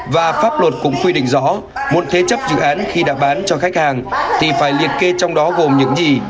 và pháp luật cũng quy định rõ muốn thế chấp dự án khi đã bán cho khách hàng thì phải liệt kê trong đó gồm những gì